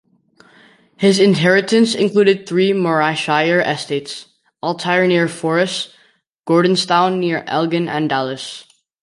His inheritance included three Morayshire estates: Altyre near Forres, Gordonstoun near Elgin and Dallas.